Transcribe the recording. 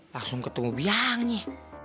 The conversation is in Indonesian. langsung ketemu biangnya